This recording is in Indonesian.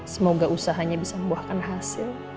semoga usahanya bisa membuahkan hasil